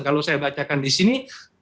kalau saya bacakan di sini